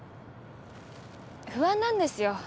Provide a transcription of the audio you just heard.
不安なんですよ